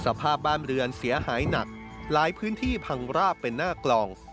สภาพบ้านเรือนเสียหายหนักหลายพื้นที่พังราบเป็นหน้ากล่อง